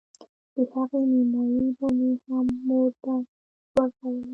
د هغې نيمايي به مې هم مور ته ورکوله.